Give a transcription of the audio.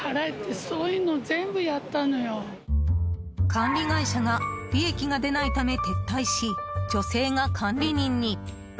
管理会社が利益が出ないため撤退し、女性が管理人に。